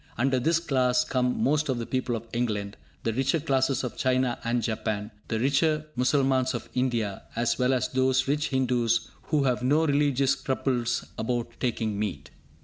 Under this class come most of the people of England, the richer classes of China and Japan, the richer Mussalmans of India, as well as those rich Hindus who have no religious scruples about taking meat.